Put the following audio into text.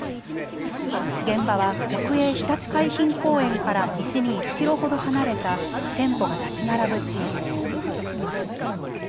現場は国営ひたち海浜公園から西に１キロほど離れた店舗が建ち並ぶ地域です。